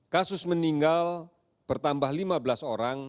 kasus meninggal bertambah lima belas orang